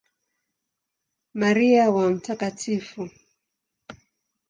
Maria wa Mt.